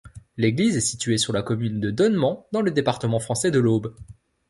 L'église est située sur la commune de Donnement, dans le département français de l'Aube.